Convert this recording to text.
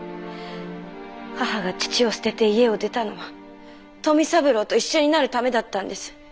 母が父を捨てて家を出たのは富三郎と一緒になるためだったんです。